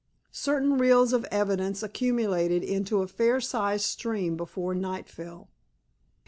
Certain rills of evidence accumulated into a fair sized stream before night fell.